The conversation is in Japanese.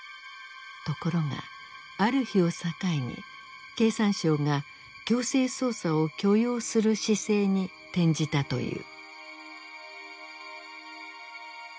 ところがある日を境に経産省が強制捜査を許容する姿勢に転じたという。